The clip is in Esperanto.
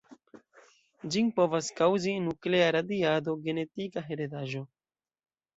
Ĝin povas kaŭzi nuklea radiado, genetika heredaĵo.